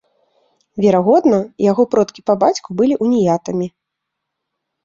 Верагодна, яго продкі па бацьку былі уніятамі.